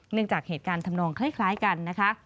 เนื่องจากเหตุการณ์ทำนองคล้ายกัน